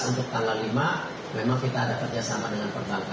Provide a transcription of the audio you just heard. untuk tanggal lima memang kita ada kerjasama dengan perbankan